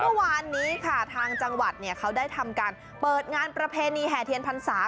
เมื่อวานนี้ค่ะทางจังหวัดเขาได้ทำการเปิดงานประเพณีแห่เทียนพรรษา